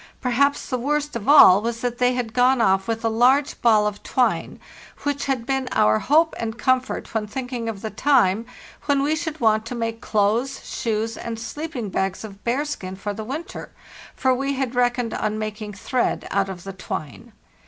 — Per haps the worst of all was that they had gone off with a large ball of twine, which had been our hope and comfort when thinking of the time when we should want to make clothes, shoes, and sleeping bags of bearskin for the winter; for we had reckoned on making thread out of the twine.